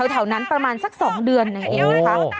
เท่านั้นประมาณสักสองเดือนเนี่ยเองค่ะ